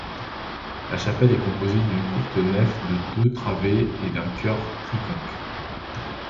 La chapelle est composée d'une courte nef de deux travées et d'un chœur triconque.